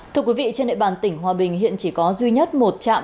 thưa quý vị trên địa bàn tỉnh hòa bình hiện chỉ có duy nhất một trạm